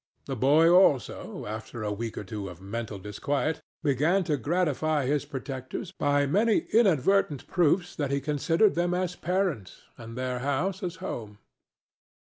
The boy, also, after a week or two of mental disquiet, began to gratify his protectors by many inadvertent proofs that he considered them as parents and their house as home.